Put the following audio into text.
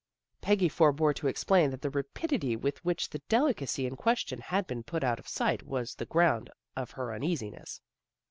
Peggy forebore to explain that the rapidity with which the delicacy in question had been put out of sight was the ground of her uneasi ness.